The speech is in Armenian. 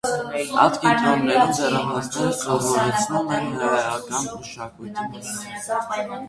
Այդ կենտրոններում դեռահասներին սովորեցնում են հրեական մշակույթի մասին։